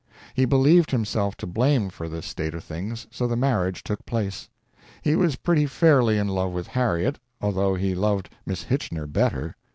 He believed himself to blame for this state of things, so the marriage took place. He was pretty fairly in love with Harriet, although he loved Miss Hitchener better.